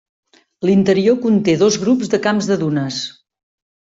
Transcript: L'interior conté dos grups de camps de dunes.